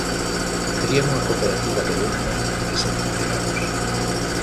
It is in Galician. Terían unha cooperativa de venda e sen empregados.